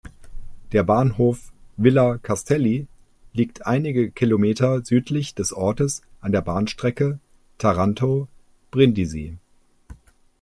Der Bahnhof "Villa Castelli" liegt einige Kilometer südlich des Ortes an der Bahnstrecke Taranto–Brindisi.